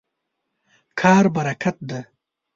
کار برکت دی.